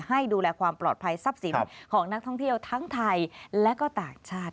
ให้ดูแลความปลอดภัยทรัพย์สินของนักท่องเที่ยวทั้งไทยและก็ต่างชาติ